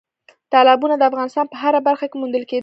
تالابونه د افغانستان په هره برخه کې موندل کېدای شي.